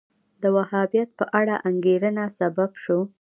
د وهابیت په اړه انګېرنه سبب شو